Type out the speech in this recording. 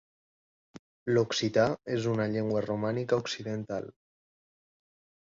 L'occità és una llengua romànica occidental.